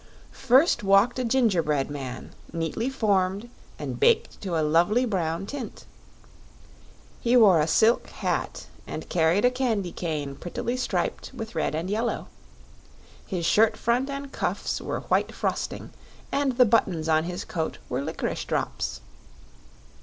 First walked a gingerbread man neatly formed and baked to a lovely brown tint. He wore a silk hat and carried a candy cane prettily striped with red and yellow. His shirt front and cuffs were white frosting, and the buttons on his coat were licorice drops.